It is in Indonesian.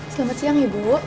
selamat siang ibu